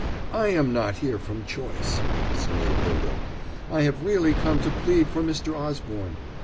"I am not here from choice," sneered Hylda. "I have really come to plead for Mr. Osborne.